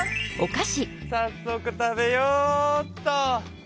さっそく食べようっと。